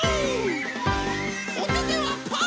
おててはパー！